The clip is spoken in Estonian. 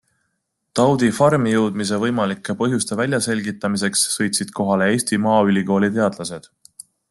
Taudi farmi jõudmise võimalike põhjuste väljaselgitamiseks sõitsid kohale Eesti Maaülikooli teadlased.